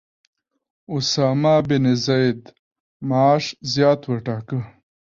اسامه بن زید معاش زیات وټاکه.